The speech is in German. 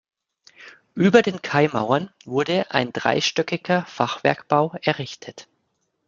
Über den Kaimauern wurde ein dreistöckiger Fachwerkbau errichtet.